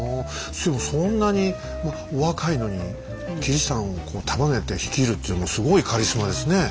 そんなにお若いのにキリシタンをこう束ねて率いるっていうのもすごいカリスマですね。